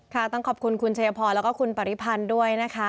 ค่ะต้องขอบคุณคุณเฉพาะแล้วก็คุณปริภัณฑ์ด้วยนะคะ